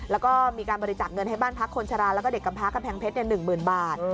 แล้วก็มีการบริจาคเงินให้บ้านพักคนชราแล้วก็เด็กกำพากำแพงเพชร๑๐๐๐บาท